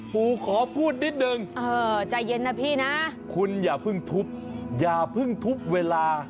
พูขอพูดนิดนึงคุณอย่าเพิ่งทุบเวลาใจเย็นนะคับ